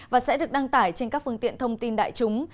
và sẽ được đăng tải trên các phương tiện thông tin đại chúng